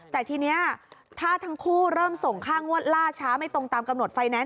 แต่ทีนี้ถ้าทั้งคู่เริ่มส่งค่างวดล่าช้าไม่ตรงตามกำหนดไฟแนนซ